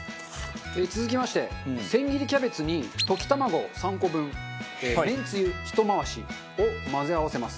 続きまして千切りキャベツに溶き卵３個分めんつゆひと回しを混ぜ合わせます。